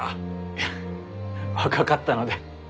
いや若かったので。